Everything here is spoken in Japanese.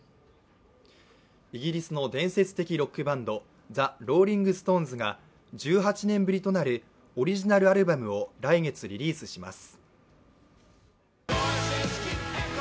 イギリスの伝説的ロックバンドＴＨＥＲＯＬＬＩＮＧＳＴＯＮＥＳが１８年ぶりとなるオリジナルアルバムを来月リリースします。